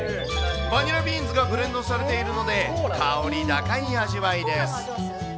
バニラビーンズがブレンドされているので、香り高い味わいです。